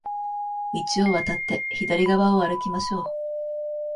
道を渡って、左側を歩きましょう。